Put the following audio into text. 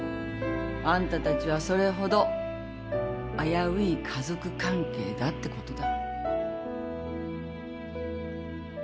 あんたたちはそれほど危うい家族関係だってことだ。